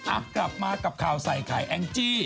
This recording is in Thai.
กลับมากับข่าวใส่ไข่แองจี้